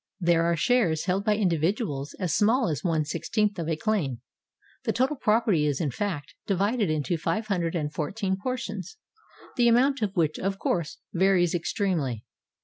There are shares held by individuals as small as one sixteenth of a claim. The total property is in fact divided into 514 portions, the amount of which of course varies ex tremely.